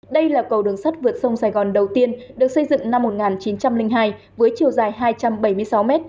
đây là cầu đường sắt vượt sông sài gòn đầu tiên được xây dựng năm một nghìn chín trăm linh hai với chiều dài hai trăm bảy mươi sáu m